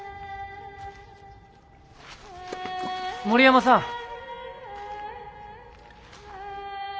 森山さん。